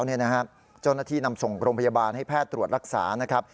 เจ้าหน้าที่นำส่งโรงพยาบาลให้แพทย์ตรวจรักษา